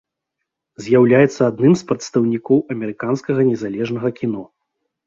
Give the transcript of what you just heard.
З'яўляецца адным з прадстаўнікоў амерыканскага незалежнага кіно.